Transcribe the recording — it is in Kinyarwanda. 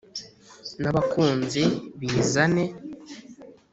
n’abakuzi bizane